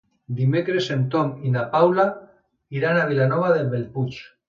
Dimecres en Tom i na Paula iran a Vilanova de Bellpuig.